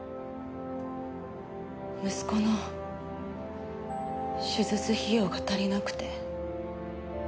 息子の手術費用が足りなくて。